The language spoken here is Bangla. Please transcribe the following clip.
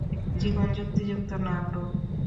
জীবন যুক্তিযুক্ত না, ব্রো।